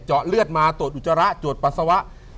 เลือดมาตรวจอุจจาระตรวจปัสสาวะ